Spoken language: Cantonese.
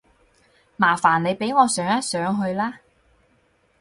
麻煩你俾我上一上去啦